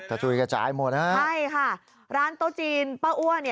จะจุดกระจายหมดนะครับใช่ค่ะร้านโต๊ะจีนเป้าอ้วน